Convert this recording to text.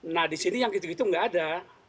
nah di sini yang gitu gitu nggak ada